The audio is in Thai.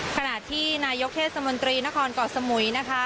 ขณะที่นายกเทศมนตรีนครเกาะสมุยนะคะ